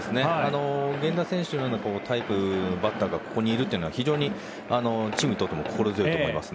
源田選手のようなタイプのバッターがここにいるのはチームとしても心強いと思います。